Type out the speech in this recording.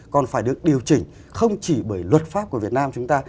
còn phải được điều chỉnh không chỉ bởi luật pháp của việt nam chúng ta